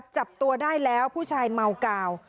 จับตัวได้แล้วผู้ชายเมากาว